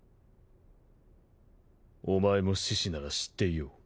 お前も志士なら知っていよう。